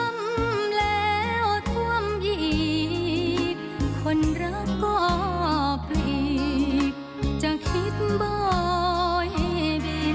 ท่วมแล้วท่วมยีกคนรักก็ปลีกจะคิดบ่อยให้เป็น